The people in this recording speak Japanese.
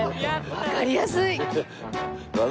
わかりやすい！